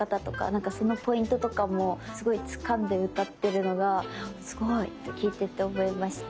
なんかそのポイントとかもすごいつかんで歌ってるのがすごいって聴いてて思いました。